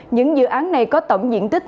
những dự án này có tổng diện tích